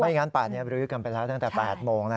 ไม่งั้นป่านนี้เราไปดูยืดกันไปแล้วตั้งแต่๘โมงนะ